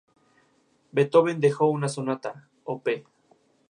Beethoven dejó una sonata, op.